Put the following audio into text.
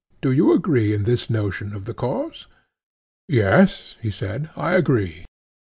Do you agree in this notion of the cause? Yes, he said, I agree.